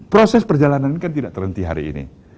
proses perjalanan ini kan tidak terhenti hari ini